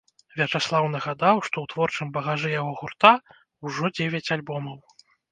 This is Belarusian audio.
Вячаслаў нагадаў, што ў творчым багажы яго гурта ўжо дзевяць альбомаў.